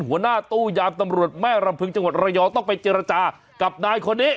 หัวหน้าตู้ยามตำรวจแม่รำพึงจังหวัดระยองต้องไปเจรจากับนายคนนี้